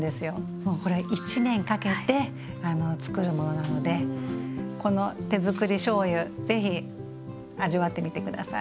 もうこれは１年かけてつくるものなのでこの手づくりしょうゆぜひ味わってみて下さい。